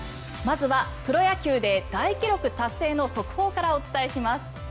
まずはプロ野球で大記録達成の速報からお伝えします。